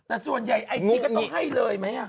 ไอจีก็ต้องให้เลยไหมอะ